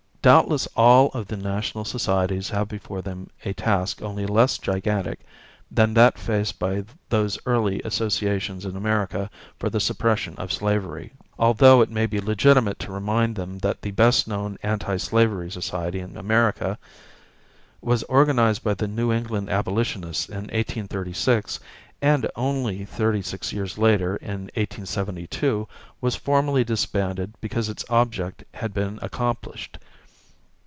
Doubtless all of the national societies have before them a task only less gigantic than that faced by those earlier associations in America for the suppression of slavery, although it may be legitimate to remind them that the best known anti slavery society in America was organized by the New England abolitionists in 1836, and only thirty six years later, in 1872, was formally disbanded because its object had been accomplished.